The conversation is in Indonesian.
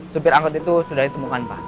supir angkot itu sudah ditemukan pak